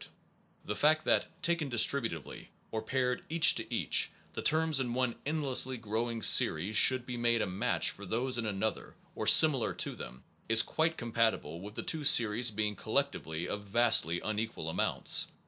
Any class is now called 1 The fact that, taken distributively, or paired each to each, the terms in one endlessly growing series should be made a match for those in another (or similar to them) is quite compatible with the two series being collectively of vastly unequal amounts.